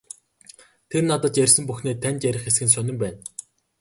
Тэр надад ярьсан бүхнээ танд ярих эсэх нь сонин байна.